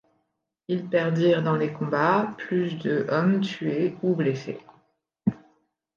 Ils perdirent dans les combats plus de hommes, tués ou blessés.